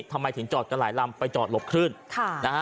ทำไมถึงจอดกันหลายลำไปจอดหลบคลื่นค่ะนะฮะ